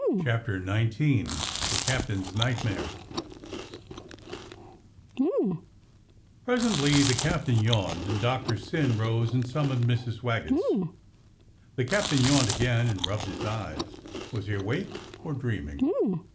CHAPTER XIX THE captain's NIGHTIVIARE PRESENTLY the captain yawned and Doctor Syn rose and summoned Mrs. Waggetts. The captain yawned again and rubbed his eyes. Was he awake or dreaming?